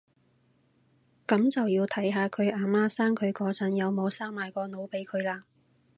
噉就要睇下佢阿媽生佢嗰陣有冇生埋個腦俾佢喇